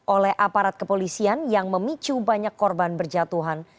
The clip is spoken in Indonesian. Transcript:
oleh aparat kepolisian yang memicu banyak korban berjatuhan